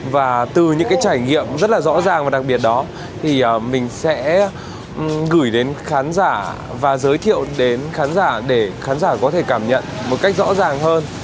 và từ những cái trải nghiệm rất là rõ ràng và đặc biệt đó thì mình sẽ gửi đến khán giả và giới thiệu đến khán giả để khán giả có thể cảm nhận một cách rõ ràng hơn